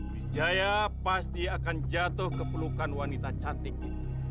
wijaya pasti akan jatuh ke pelukan wanita cantik itu